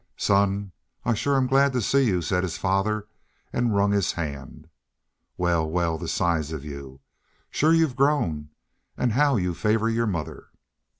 "Son, I shore am glad to see you," said his father, and wrung his hand. "Wal, wal, the size of you! Shore you've grown, any how you favor your mother."